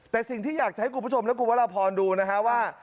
แต่สิ่งที่อยากจะให้กลุ่มผู้ชมและกลุ่มวัตรรพรดูนะฮะว่า